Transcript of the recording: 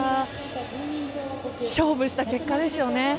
勝負した結果ですよね。